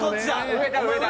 上だ上だ。